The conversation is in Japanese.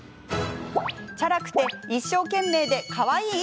チャラくて一生懸命でかわいい？